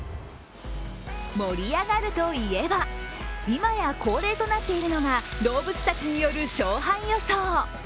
盛り上がるといえば、今や恒例となっているのが動物たちによる勝敗予想。